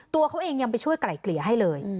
ตัวเขาเองยังไปช่วยไกล่เกลี่ยให้เลย